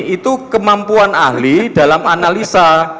itu kemampuan ahli dalam analisa